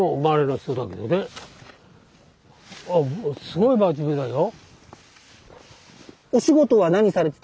すごい真面目だよ。